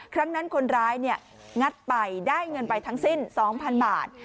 ครั้งนั้นคนร้ายงัดไปได้เงินไปทั้งสิ้น๒๐๐๐บาท